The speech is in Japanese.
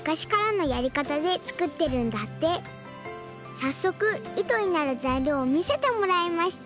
さっそくいとになるざいりょうをみせてもらいました